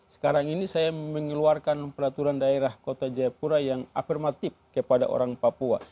sekarang ini saya mengeluarkan peraturan daerah kota jayapura yang afirmatif kepada orang papua